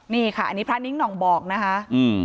นี่ค่ะอันนี้พระนิ้งหน่องบอกนะคะอืม